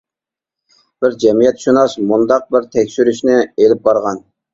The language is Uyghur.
بىر جەمئىيەتشۇناس مۇنداق بىر تەكشۈرۈشنى ئېلىپ بارغان.